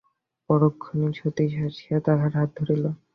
পরক্ষণেই সতীশ আসিয়া তাহার হাত ধরিল।